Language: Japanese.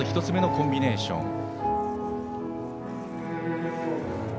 １つ目のコンビネーション。